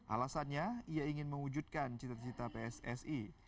alasannya ia ingin mewujudkan cita cita pssi